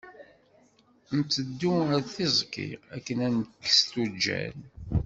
Nteddu ɣer tiẓgi akken ad d-nekkes tujjal.